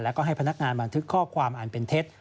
แล้วก็ให้พนักงานบันทึกข้อความอันเป็นเท็จ